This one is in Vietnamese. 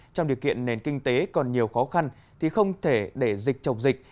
trong điều kiện nền kinh tế còn nhiều khó khăn thì không thể để dịch chồng dịch